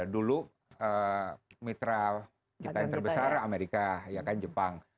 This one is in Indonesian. dulu mitra kita yang terbesar amerika ya kan jepang